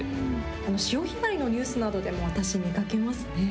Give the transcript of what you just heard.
潮干狩りのニュースなどでも私、見かけますね。